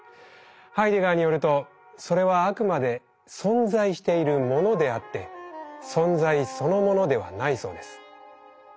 ハイデガーによるとそれはあくまで「存在しているもの」であって「存在」そのものではないそうです。